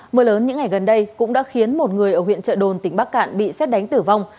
mưa lớn những ngày gần đây cũng đã khiến một người ở huyện trợ đồn tỉnh bắc cạn bị xét đánh tử vong